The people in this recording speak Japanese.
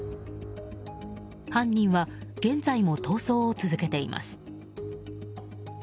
犯人は現在も逃走を続けています。